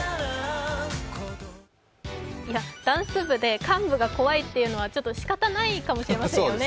ダンス部で幹部が怖いっていうのはしかたないかもしれないですよね。